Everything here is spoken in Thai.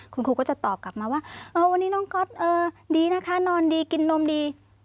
คุณครูก็จะตอบกลับมาว่าวันนี้น้องก๊อตดีนะคะนอนดีกินนมดี